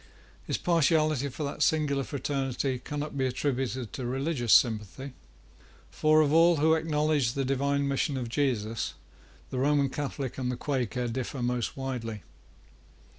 His partiality for that singular fraternity cannot be attributed to religious sympathy; for, of all who acknowledge the divine mission of Jesus, the Roman Catholic and the Quaker differ most widely.